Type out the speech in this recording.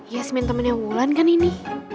yasmin temennya wulan kan ini